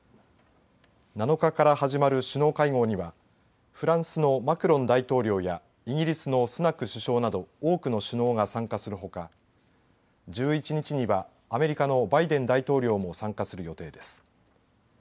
７日から始まる首脳会合にはフランスのマクロン大統領やイギリスのスナク首相など多くの首脳が参加するほか１１日には、アメリカのバイデン大統領も参加する予定です。